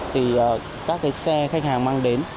thì các cái xe khách hàng mang đến